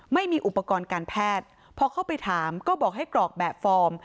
ไม่มีอุปกรณ์การแพทย์พอเข้าไปถามก็บอกให้กรอกแบบฟอร์ม